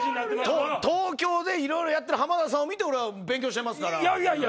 東京でいろいろやってる浜田さんを見て俺は勉強してますから。